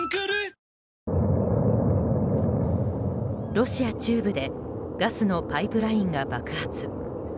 ロシア中部でガスのパイプラインが爆発。